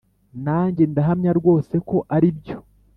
nanjye ndahamya rwose ko aribyo